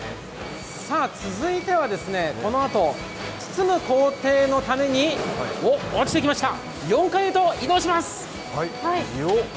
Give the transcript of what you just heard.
さあ続いては、このあと包む工程のために４階へと移動します。